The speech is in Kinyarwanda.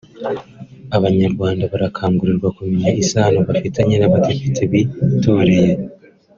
Abanyarwanda barakangurirwa kumenya isano bafitanye n’abadepite bitoreye